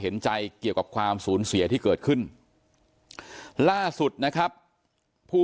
เห็นใจเกี่ยวกับความสูญเสียที่เกิดขึ้นล่าสุดนะครับผู้